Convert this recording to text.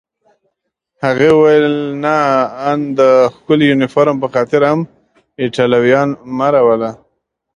هغې وویل: نه، آن د ښکلي یونیفورم په خاطر هم ایټالویان مه راوله.